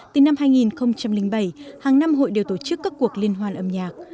từ năm hai nghìn bảy hàng năm hội đều tổ chức các cuộc liên hoan âm nhạc